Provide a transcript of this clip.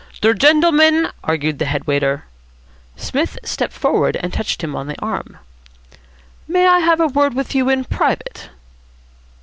"Der gendleman " argued the head waiter. Psmith stepped forward and touched him on the arm. "May I have a word with you in private?"